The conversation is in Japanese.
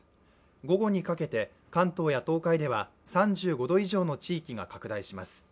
午後にかけて関東や東海では３５度以上の地域が拡大します。